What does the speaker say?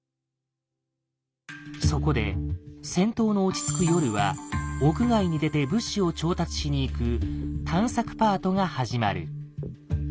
そこで戦闘の落ち着く夜は屋外に出て物資を調達しに行く「探索パート」が始まる。